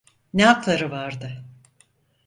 Ne hakları vardı?